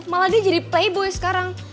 malah dia jadi playboy sekarang